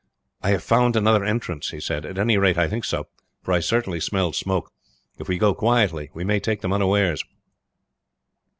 "I have found another entrance," he said. "At any rate I think so; for I certainly smelled smoke. If we go quietly we may take them unawares."